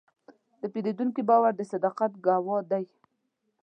د پیرودونکي باور د صداقت ګواه دی.